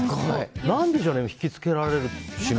何でしょうね、ひきつけられるし。